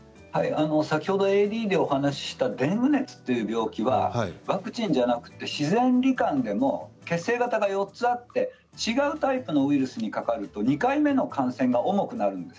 先ほどＡＤＥでお話ししたデング熱という病気はワクチンではなくて自然り患でも血清型が４つあって違うタイプのウイルスにかかると２回目の感染が多くなるんです。